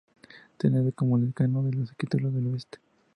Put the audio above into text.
Se le conoce como "el decano de los escritores del Oeste".